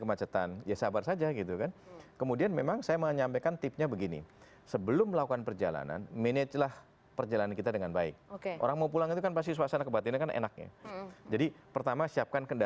mereka mengkumpul mereka sendiri